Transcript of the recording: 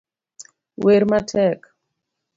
wer matek